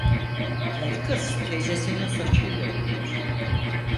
Kel kız teyzesinin saçıyla övünür.